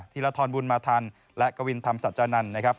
ธรทรบุญมาทันและกวินธรรมสัจจานันทร์นะครับ